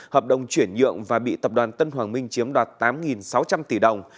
hợp đồng chuyển nhượng và bị tập đoàn tân hoàng minh chiếm đoạt tám sáu trăm linh tỷ đồng